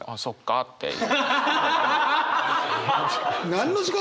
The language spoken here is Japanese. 何の時間？